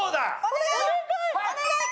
お願い！